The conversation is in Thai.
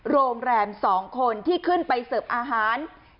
โรงแรม๒คนที่ขึ้นไปเสิร์ฟอาหาร